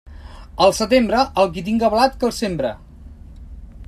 Al setembre, el qui tinga blat que el sembre.